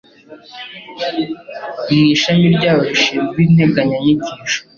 mu ishami ryayo rishinzwe integanya nyigisho